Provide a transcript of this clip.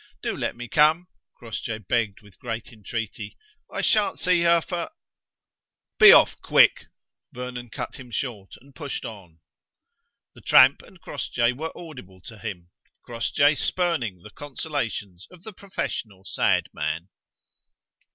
Do let me come," Crossjay begged with great entreaty. "I sha'n't see her for ..." "Be off, quick!" Vernon cut him short and pushed on. The tramp and Crossjay were audible to him; Crossjay spurning the consolations of the professional sad man.